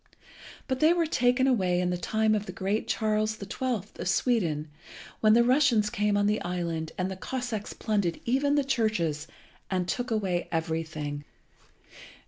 But they were taken away in the time of the great Charles the Twelfth of Sweden, when the Russians came on the island and the Cossacks plundered even the churches, and took away everything.